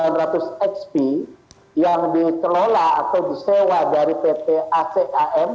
di tengah rai jendis bomber sembilan ratus xp yang ditelola atau disewa dari pt acam